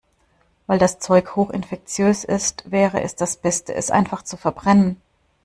Weil das Zeug hoch infektiös ist, wäre es das Beste, es einfach zu verbrennen.